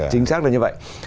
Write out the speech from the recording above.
chính xác là như vậy